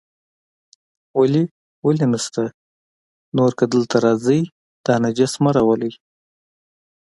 ولې ولې نشته، نور که دلته راځئ، دا نجس مه راولئ.